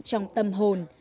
trong tâm hồn